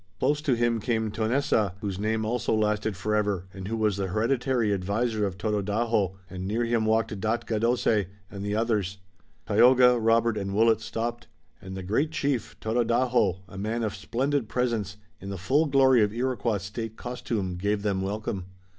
Close to him came Tonessaah, whose name also lasted forever and who was the hereditary adviser of Tododaho, and near him walked Daatgadose and the others. Tayoga, Robert and Willet stopped, and the great chief, Tododaho, a man of splendid presence, in the full glory of Iroquois state costume, gave them welcome.